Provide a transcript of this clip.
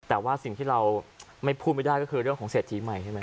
แต่ว่าสิ่งที่เราไม่พูดไม่ได้ก็คือเรื่องของเศรษฐีใหม่ใช่ไหม